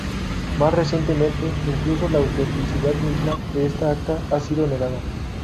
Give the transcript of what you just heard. Más recientemente, incluso la autenticidad misma de esta acta ha sido negada.